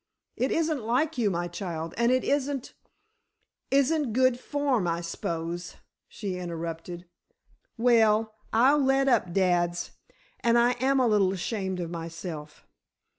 It isn't like you, my child, and it isn't——" "Isn't good form, I s'pose!" she interrupted. "Well, I'll let up, dads, and I am a little ashamed of myself.